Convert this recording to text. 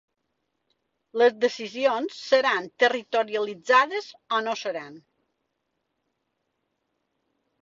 Les decisions seran territorialitzades o no seran.